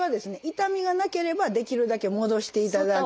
痛みがなければできるだけ戻していただく。